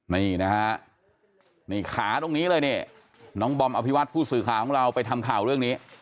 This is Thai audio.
นี่นะฮะนี่ขาตรงนี้เลยนี่น้องบอมอภิวัตผู้สื่อข่าวของเราไปทำข่าวเรื่องนี้